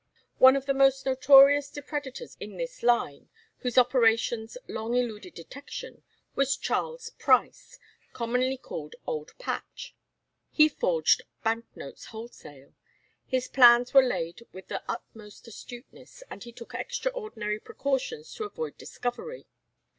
One of the most notorious depredators in this line, whose operations long eluded detection, was Charles Price, commonly called Old Patch. He forged bank notes wholesale. His plans were laid with the utmost astuteness, and he took extraordinary precautions to avoid discovery.